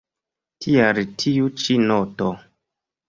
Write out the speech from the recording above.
Tial tiu ĉi noto.